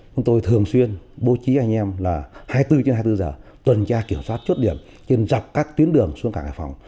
chúng tôi thường xuyên bố trí anh em là hai mươi bốn trên hai mươi bốn giờ tuần tra kiểm soát chốt điểm trên dọc các tuyến đường xuống cảng hải phòng